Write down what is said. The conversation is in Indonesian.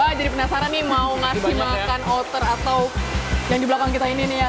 wah jadi penasaran nih mau ngasih makan outer atau yang di belakang kita ini nih ya